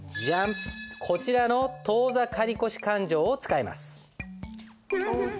こちらの当座借越勘定を使います。